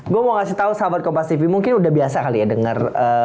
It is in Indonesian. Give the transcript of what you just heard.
gua mau kasih tau sahabat kompastv mungkin udah biasa kali ya denger